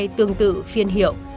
tương tự phiên hiệu